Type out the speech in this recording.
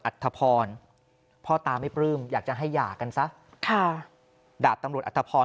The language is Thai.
ธพรพ่อตาไม่ปลื้มอยากจะให้หย่ากันซะค่ะดาบตำรวจอัตภพร